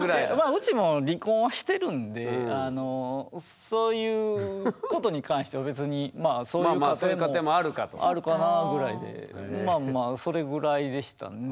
ウチも離婚はしてるんでそういうことに関しては別にそういう家庭もあるかなぐらいでまあまあそれぐらいでしたね。